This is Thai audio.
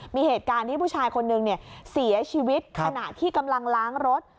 มีเหตุการณ์ที่ผู้ชายคนนึงเสียชีวิตขณะที่กำลังล้างรถ